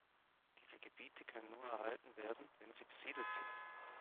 Diese Gebiete können nur erhalten werden, wenn sie besiedelt sind.